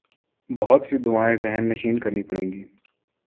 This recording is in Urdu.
بہت سی دعائیں ذہن نشین کرنی پڑیں گی۔